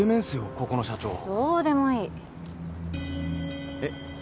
ここの社長どうでもいいえっ？